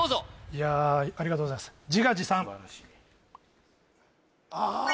いやありがとうございます・素晴らしいああっ！